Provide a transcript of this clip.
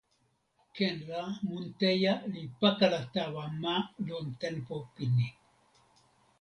ken la mun Teja li pakala tawa ma lon tenpo pini.